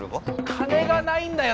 金がないんだよ